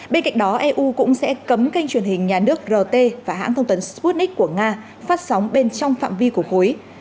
bên cạnh đó eu cũng sẽ cấm kênh truyền hình nhà nước rt và hãng thông tấn sputnik của nga phát sóng bên trong phạm vi của khối